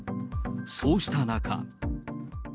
そうした中。